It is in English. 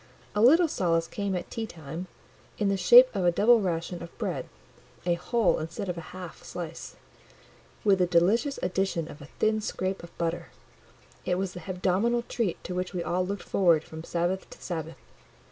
A little solace came at tea time, in the shape of a double ration of bread—a whole, instead of a half, slice—with the delicious addition of a thin scrape of butter: it was the hebdomadal treat to which we all looked forward from Sabbath to Sabbath.